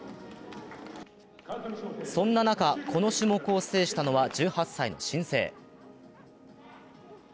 そんな中、この種目を制したのは１８歳の新星。